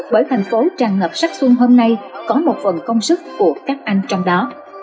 bởi thành phố tràn ngập sắc xuân hôm nay có một phần công sức của các anh trong đó